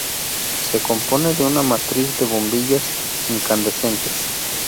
Se compone de una matriz de bombillas incandescentes.